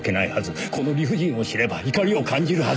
この理不尽を知れば怒りを感じるはず。